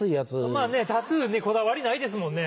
まぁねタトゥーこだわりないですもんね。